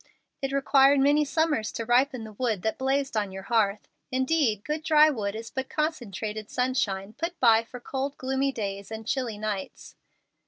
"It required many summers to ripen the wood that blazed on your hearth. Indeed, good dry wood is but concentrated sunshine put by for cold, gloomy days and chilly nights."